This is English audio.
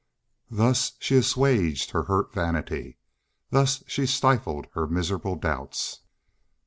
Thus she assuaged her hurt vanity thus she stifled her miserable doubts.